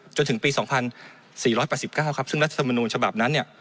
จนถึงปี๒๔๘๙ครับซึ่งรัฐมนูญฉบับนั้นเนี่ย